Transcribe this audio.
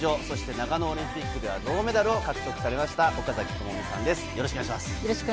そして長野オリンピックでは銅メダルを獲得された岡崎朋美さんです。